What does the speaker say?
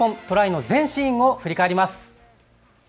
トライの全シーンを振り返ります。